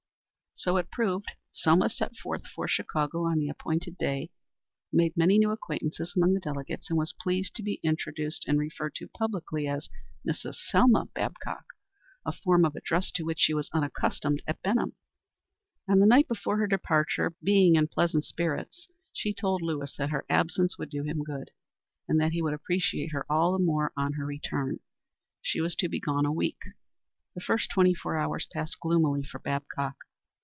So it proved. Selma set forth for Chicago on the appointed day, made many new acquaintances among the delegates, and was pleased to be introduced and referred to publicly as Mrs. Selma Babcock a form of address to which she was unaccustomed at Benham. On the night before her departure, being in pleasant spirits, she told Lewis that her absence would do him good, and that he would appreciate her all the more on her return. She was to be gone a week. The first twenty four hours passed gloomily for Babcock.